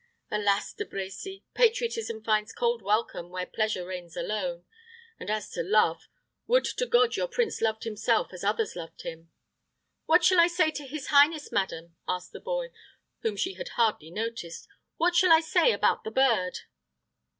Alas! De Brecy, patriotism finds cold welcome where pleasure reigns alone; and as to love would to God your prince loved himself as others love him!" "What shall I say to his highness, madam?" asked the boy, whom she had hardly noticed; "what shall I say about the bird?"